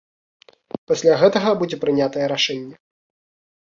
Пасля гэтага будзе прынятае рашэнне.